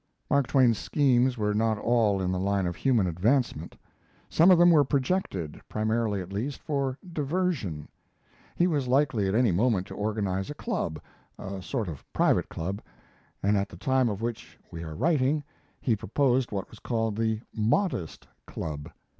Mark Twain's schemes were not all in the line of human advancement; some of them were projected, primarily at least, for diversion. He was likely at any moment to organize a club, a sort of private club, and at the time of which we are writing he proposed what was called the "Modest" Club.